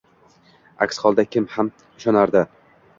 Aks holda kim ham ishonardi.